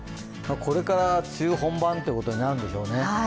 これから梅雨本番ということになるんでしょうね。